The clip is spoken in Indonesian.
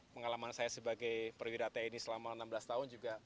pengalaman saya sebagai perwira tni selama enam belas tahun juga